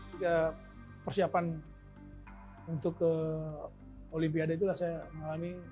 tiga persiapan untuk ke olimpiade itulah saya mengalami